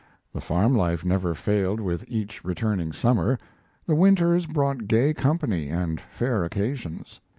The farm life never failed with each returning summer; the winters brought gay company and fair occasions.